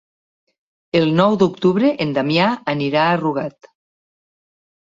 El nou d'octubre en Damià anirà a Rugat.